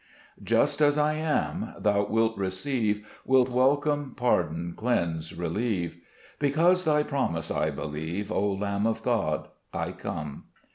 5 Just as I am ! Thou wilt receive, Wilt welcome, pardon, cleanse, relieve; Because Thy promise I believe, O Lamb of God, I come.